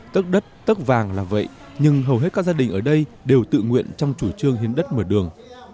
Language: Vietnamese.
tất đất tất vàng là vậy nhưng hầu hết các gia đình ở đây đều tự nguyện trong chủ trương hiến đất mở đường